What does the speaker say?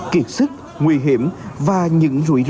kiệt sức nguy hiểm và những rủi ro